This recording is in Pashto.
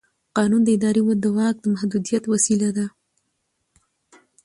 قانون د ادارې د واک د محدودیت وسیله ده.